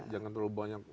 jangan terlalu banyak